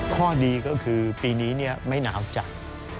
ข้อดีก็คือปีนี้ไม่หนาวจัด